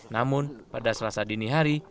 namun pada selasa dini hari